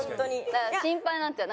だから心配になっちゃう。